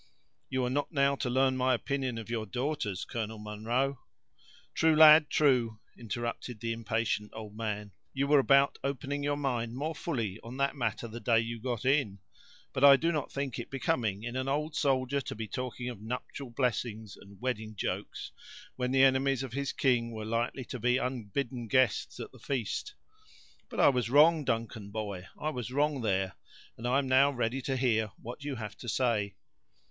"You are not now to learn my opinion of your daughters, Colonel Munro." "True, lad, true," interrupted the impatient old man; "you were about opening your mind more fully on that matter the day you got in, but I did not think it becoming in an old soldier to be talking of nuptial blessings and wedding jokes when the enemies of his king were likely to be unbidden guests at the feast. But I was wrong, Duncan, boy, I was wrong there; and I am now ready to hear what you have to say."